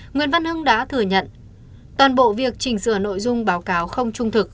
nguyễn văn hưng đã thừa nhận toàn bộ việc chỉnh sửa nội dung báo cáo không trung thực